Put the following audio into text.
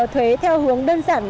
thuế theo hướng đơn giản